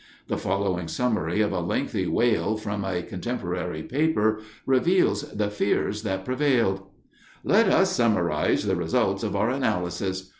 The following summary of a lengthy wail from a contemporary paper reveals the fears that prevailed: Let us summarize the result of our analysis.